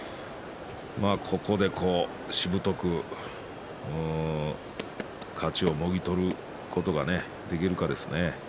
ここで、しぶとく勝ちをもぎ取ることができるかですね。